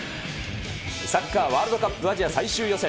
サッカーワールドカップアジア最終予選。